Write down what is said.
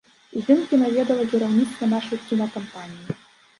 Здымкі наведала кіраўніцтва нашай кінакампаніі.